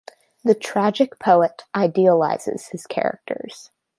The tragic poet idealizes his characters.